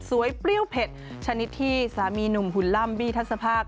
เปรี้ยวเผ็ดชนิดที่สามีหนุ่มหุ่นล่ำบี้ทัศภาค